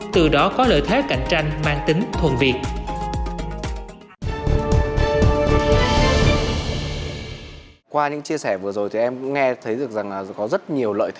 từ đó có lợi thế cạnh tranh mang tính thuần việt